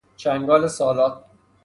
چنگال سالاد